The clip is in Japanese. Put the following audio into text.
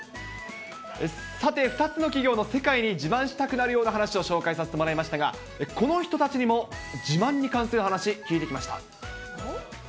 さて、２つの企業の世界に自慢したくなるような話を紹介させてもらいましたが、この人たちにも自慢に関する話、聞いてきました。